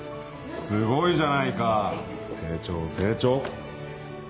すごいじゃないか成長成長。